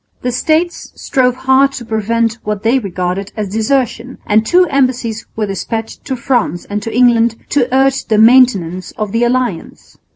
The States strove hard to prevent what they regarded as desertion, and two embassies were despatched to France and to England to urge the maintenance of the alliance.